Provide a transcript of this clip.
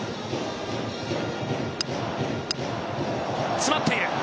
詰まっている。